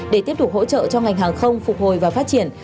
để tiếp tục hỗ trợ cho ngành hàng không phục hồi và phát triển